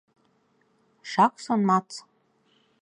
Šahs un mats